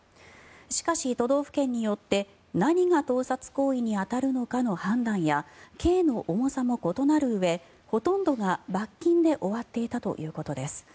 しかし、都道府県によって何が盗撮行為に当たるのかの判断や刑の重さも異なるうえほとんどが罰金で終わっていたということです。